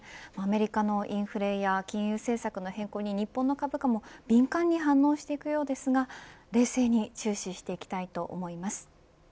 アメリカのインフレや金融政策の変更に日本の株価も敏感に反応していくようですが冷静に注視していきたいと思います。